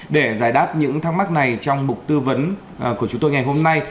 để giải đáp những thắc mắc này trong mục tư vấn của chúng tôi ngày hôm nay